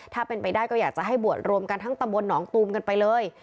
ถ้าเป็นไปได้ก็อยากจะให้บวชรวมกันทั้งตำบลหนองตูมกันไปเลย